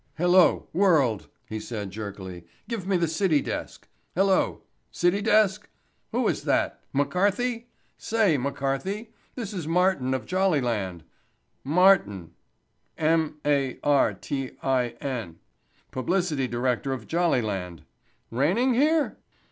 "Hello, World?" he said jerkily, "give me the city desk ... hello ... city desk?... Who is that? McCarthy?... Say, Mr. McCarthy, this is Martin of Jollyland—Martin—M A R T I N—publicity director of Jollyland—raining here?